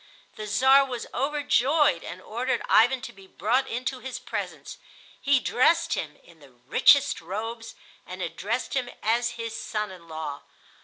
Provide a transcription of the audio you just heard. The Czar was overjoyed and ordered Ivan to be brought into his presence. He dressed him in the richest robes and addressed him as his son in law.